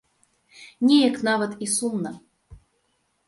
Неяк нават і сумна.